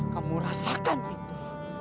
kamu rasakan itu